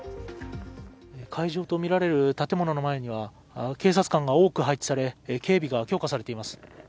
会場とみられる建物の前には警察官が多く配置され警備が強化されています。